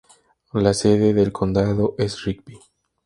La sede del condado es Rigby.